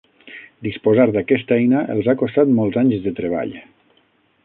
Disposar d'aquesta eina els ha costat molts anys de treball.